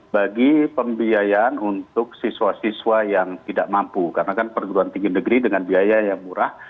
bagi pembiayaan untuk siswa siswa yang tidak mampu karena kan perguruan tinggi negeri dengan biaya yang murah